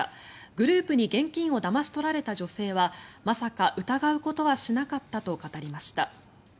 グループに現金をだまし取られた女性はまさか疑うことはしなかったと語りました。